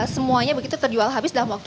semuanya begitu terjual habis dalam waktu